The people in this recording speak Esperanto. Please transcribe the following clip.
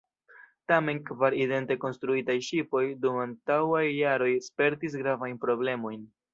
Tamen, kvar idente konstruitaj ŝipoj dum antaŭaj jaroj spertis gravajn problemojn.